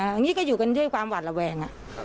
อย่างนี้ก็อยู่กันด้วยความหวาดระแวง